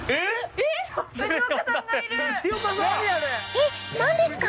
えっなんですか！？